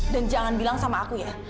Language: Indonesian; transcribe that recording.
dan jangan bilang sama aku ya